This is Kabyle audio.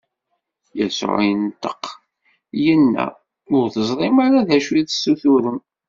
Yasuɛ inṭeq, inna: Ur teẓrim ara d acu i tessuturem!